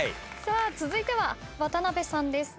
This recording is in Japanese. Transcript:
続いては渡辺さんです。